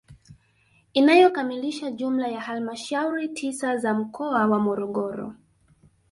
Inayokamilisha jumla ya halmashauri tisa za mkoa wa Morogoro